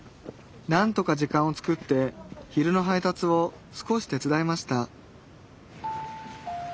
何とか時間を作って昼の配達を少し手伝いました